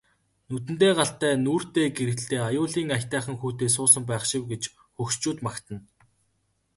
Нүдэндээ галтай нүүртээ гэрэлтэй аюулын аятайхан хүүтэй суусан байх шив гэж хөгшчүүд магтана.